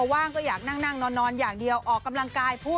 ว่างก็อยากนั่งนอนอย่างเดียวออกกำลังกายพูด